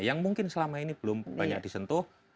yang mungkin selama ini belum banyak disentuh